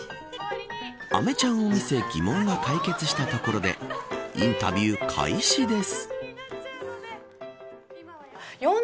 あめちゃんを見せ疑問が解決したところでインタビュー開始です。